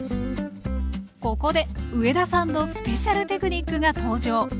ここで上田さんのスペシャルテクニックが登場。